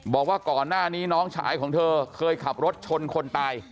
บอกว่าก่อนหน้านี้น้องชายของเธอเคยขับรถชนคนตาย